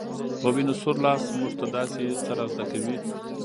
په وينو سور لاس موږ ته داسې څه را زده کوي